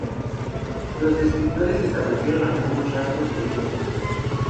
Los descriptores establecieron algunos rasgos diagnósticos.